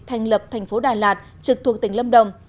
thành lập thành phố đà lạt trực thuộc tỉnh lâm đồng